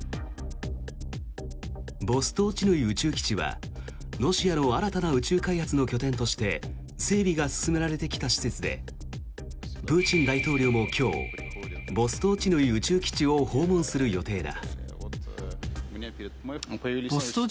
ボストーチヌイ宇宙基地はロシアの新たな宇宙開発の拠点として整備が進められてきた施設でプーチン大統領も今日ボストーチヌイ宇宙基地を訪問する予定だ。